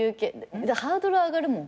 ハードル上がるもん。